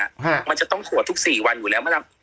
ฮะมันจะต้องถั่วทุกสี่วันอยู่แล้วมาดำ